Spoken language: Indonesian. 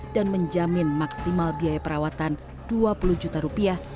dan menjamin maksimal biaya perawatan dua puluh juta rupiah